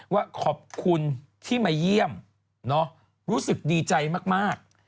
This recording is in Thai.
ว่าขอบคุณที่มาเยี่ยมรู้สึกดีใจมาก